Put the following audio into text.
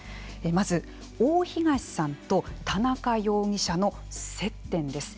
まず、大東さんと田中容疑者の接点です。